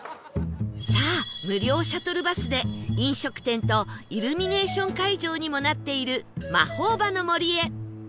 さあ無料シャトルバスで飲食店とイルミネーション会場にもなっているまほーばの森へ